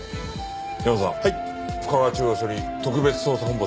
ヤマさん深川中央署に特別捜査本部を設置する。